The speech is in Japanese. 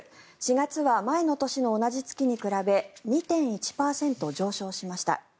４月は前の年の同じ月に比べ２．１％上昇しました。